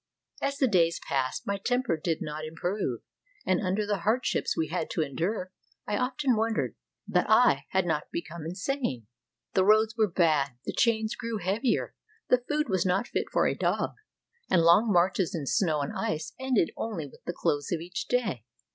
As the days passed, my temper did not improve; and under the hardships we had to endure, I often wondered that I had not become insane. The roads were bad, the chains grew heavier, the food was not fit for a dog, and long marches in snow and ice ended only with the close of each day.